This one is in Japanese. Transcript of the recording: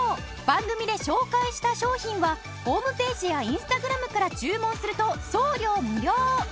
番組で紹介した商品はホームページやインスタグラムから注文すると送料無料。